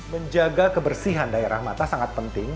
menjaga kebersihan daerah mata sangat penting